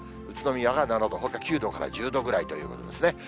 宇都宮が７度、ほか９度から１０度ぐらいということですね。